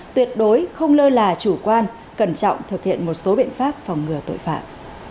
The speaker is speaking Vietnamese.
tuyệt đối không lơ là chủ quan cẩn trọng thực hiện một số biện pháp phòng ngừa tội phạm